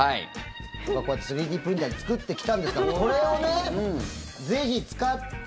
僕がこうやって３Ｄプリンターで作ってきたんですからこれをね、ぜひ使って。